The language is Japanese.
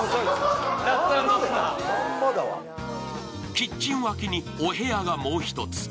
キッチン脇にお部屋がもう一つ。